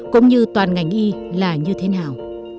cũng như toàn ngành y là như thế nào